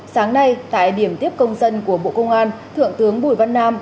sáng nay tại điểm tiếp công dân của bộ công an thượng tướng bùi văn nam